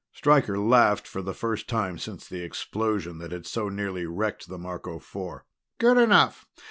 Stryker laughed for the first time since the explosion that had so nearly wrecked the Marco Four. "Good enough.